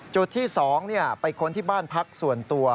จุดที่๒ไปค้นที่บ้านพักส่วนตัว